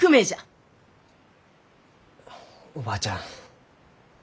おばあちゃん